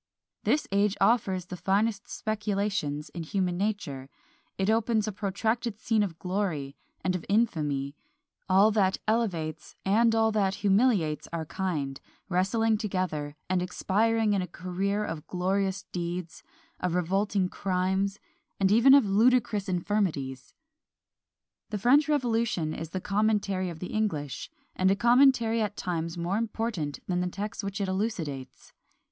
This age offers the finest speculations in human nature; it opens a protracted scene of glory and of infamy; all that elevates, and all that humiliates our kind, wrestling together, and expiring in a career of glorious deeds, of revolting crimes, and even of ludicrous infirmities! The French Revolution is the commentary of the English; and a commentary at times more important than the text which it elucidates.